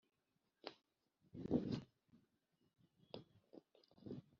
ubwo duteye abahunde, nywuhimbajemo intanage